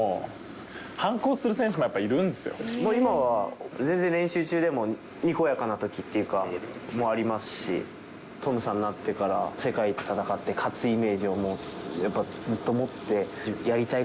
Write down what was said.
今は全然練習中でも、にこやかなときっていうかもありますし、トムさんになってから、世界と戦って勝つイメージを、やっぱずっと持って、やりたい